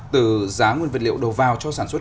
từ giá nguyên vật liệu đầu vào cho sản xuất